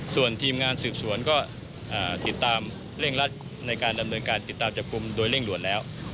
ส่วนทีมงานสืบสวนก็ติดตามเร่งรัดในการดำเนินการติดตามจับกลุ่มโดยเร่งด่วนแล้ว